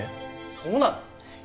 そうなの？